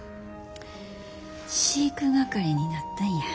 飼育係になったんや。